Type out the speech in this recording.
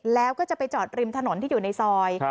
แล้วก็จะไปจอดริมถนนที่อยู่ในซอย